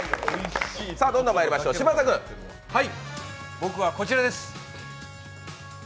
僕はこちらです。